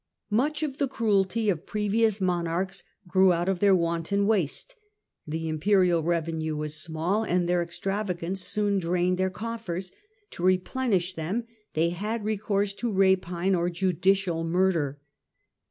Much of the cruelty of previous monarchs grew out of their wanton waste. The imperial revenue was small, and their extiavagance soon drained their coffers ; to replenish them they liad recourse to rapine or judicial murder.